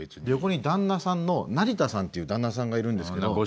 横に旦那さんの成田さんっていう旦那さんがいるんですけど。